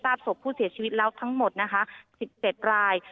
ศพผู้เสียชีวิตแล้วทั้งหมดนะคะ๑๗ราย